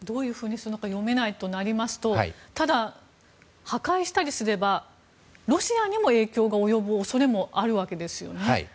読めないとなりますとただ、破壊したりすればロシアにも影響が及ぶ恐れもあるわけですよね。